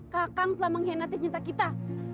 kakang telah mengkhianati nyata kita